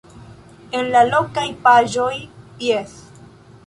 En la lokaj paĝoj - jes.